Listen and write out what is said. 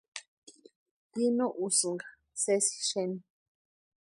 Ji no úsïnka sési xeni.